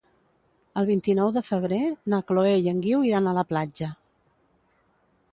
El vint-i-nou de febrer na Chloé i en Guiu iran a la platja.